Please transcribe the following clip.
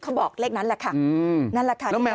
เค้าบอกเลขนั้นแหละค่ะ